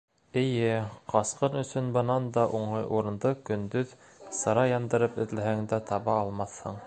Эйе, ҡасҡын өсөн бынан да уңай урынды көндөҙ сыра яндырып эҙләһәң дә таба алмаҫһың.